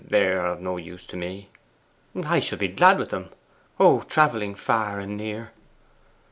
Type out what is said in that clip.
They are of no use to me.' 'I shall be glad with them....Oh, travelling far and near!